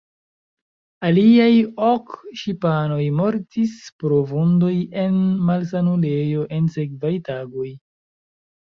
Aliaj ok ŝipanoj mortis pro vundoj en malsanulejo en sekvaj tagoj.